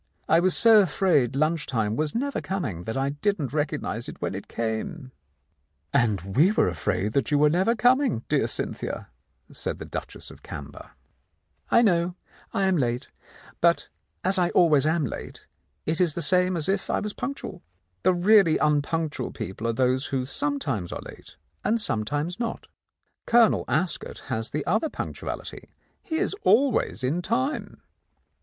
"I was so afraid lunch time was never coming that I didn't recognize it when it came." "And we were afraid that you were never coming, dear Cynthia," said the Duchess of Camber. M The Countess of Lowndes Square "I know; I am late. But as I always am late, it is the same as if I was punctual. The really un punctual people are those who sometimes are late and sometimes not. Colonel Ascot has the other punc tuality; he is always in time."